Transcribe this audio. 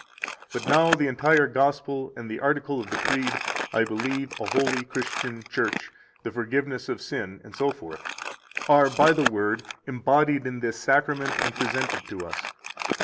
32 But now the entire Gospel and the article of the Creed: I believe a holy Christian Church, the forgiveness of sin, etc., are by the Word embodied in this Sacrament and presented to us.